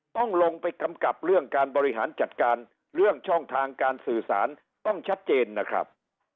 ต้องลงไปกำกับเรื่องการบริหารจัดการเรื่องช่องทางการสื่อสารต้องชัดเจนนะครับ